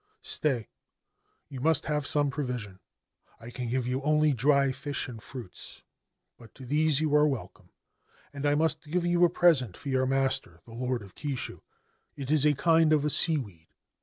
Stay — you must have som< provision. I can give only dry fish and fruits ; but t( these you are welcome. And I must give you a presen for your master, the Lord of Kishu. It is a kind o seaweed.